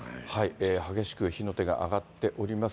激しく火の手が上がっております。